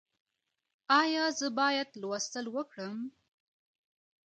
ایا زه باید لوستل وکړم؟